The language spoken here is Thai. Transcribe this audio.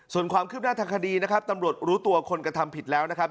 ส่วนความคืบหน้าทางคดีนะครับตำรวจรู้ตัวคนกระทำผิดแล้วนะครับ